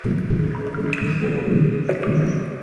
ভারতীয় ইনিংস শেষ হওয়ার অনেক আগেই আসলে শেষ হয়ে গেছে ম্যাচ।